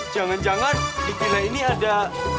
jangan jangan di china ini ada